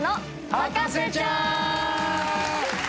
『博士ちゃん』！